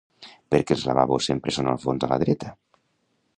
Per què els lavabos sempre són al fons a la dreta?